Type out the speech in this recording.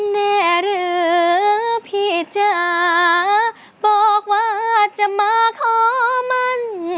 แน่หรือพี่จ๋าบอกว่าจะมาขอมัน